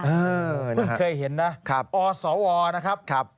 เพิ่งเคยเห็นนะอสนะครับ